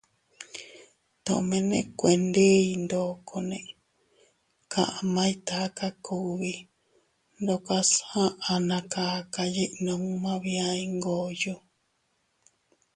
Tomene kuendiy ndokone kamay taka kugbi ndokas aʼa na kaka yiʼi numma bia Iyngoyo.